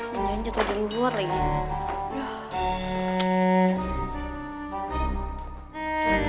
jangan jatuh di luar ya